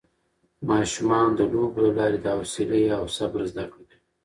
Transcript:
ماشومان د لوبو له لارې د حوصله او صبر زده کړه کوي